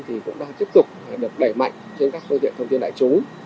thì cũng đang tiếp tục đẩy mạnh trên các thông tin đại chúng